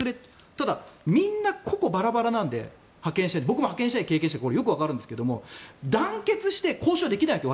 ただ、みんな個々バラバラなので僕も派遣社員を経験したのでよくわかるんですが団結して交渉できないんです。